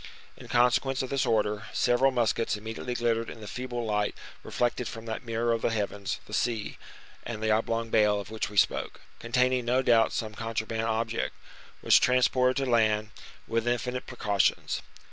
In consequence of this order, several muskets immediately glittered in the feeble light reflected from that mirror of the heavens, the sea; and the oblong bale of which we spoke, containing no doubt some contraband object, was transported to land, with infinite precautions.